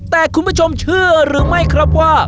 แต่คุณผู้ชมเชื่อหรือไม่ครับว่า